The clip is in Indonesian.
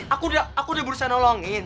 aku udah aku udah berusaha nolongin